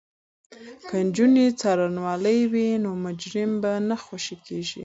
که نجونې څارنوالې وي نو مجرم به نه خوشې کیږي.